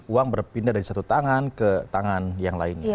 uang berpindah dari satu tangan ke tangan yang lainnya